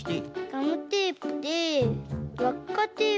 ガムテープでわっかテープをつくって。